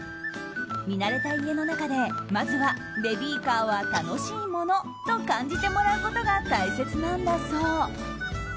見慣れた家の中でまずはベビーカーは楽しいものと感じてもらうことが大切なんだそう。